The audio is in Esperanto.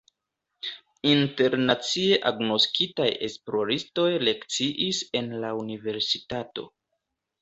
Internacie agnoskitaj esploristoj lekciis en la universitato.